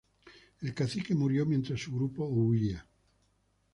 El Cacique murió mientras su grupo huía.